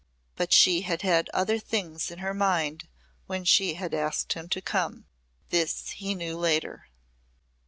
But she had had other things in her mind when she had asked him to come. This he knew later.